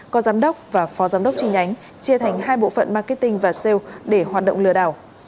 có giám đốc và phó giám đốc chi nhánh chia thành hai bộ phận marketing và sale để hoạt động lừa đảo